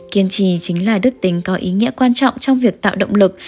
kiên trì chính là đức tính có ý nghĩa quan trọng trong việc tạo động lực